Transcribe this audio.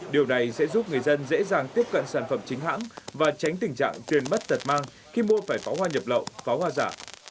điều này sẽ giúp người dân dễ dàng tiếp cận sản phẩm chính hãng và tránh tình trạng tiền mất tật mang khi mua phải pháo hoa nhập lậu pháo hoa giả